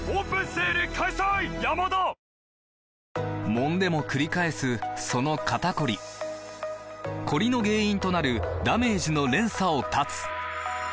もんでもくり返すその肩こりコリの原因となるダメージの連鎖を断つ！